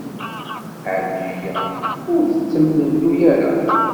Ɛelǧiya ur tettemlelluy ara.